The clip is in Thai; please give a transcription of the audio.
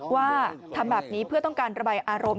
ว่าทำแบบนี้เพื่อต้องการระบายอารมณ์